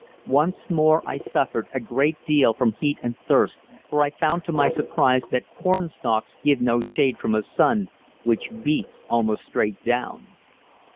Once more I suffered a great deal from heat and thirst, for I found to my surprise that corn stalks give no shade from a sun which beats almost straight down.